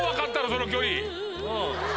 その距離。